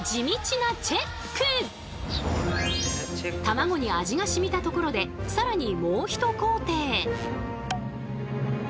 卵に味がしみたところで更にもう一工程。